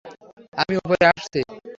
আমি ওপরে আসছি।